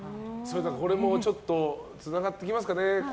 これもつながってきますかね。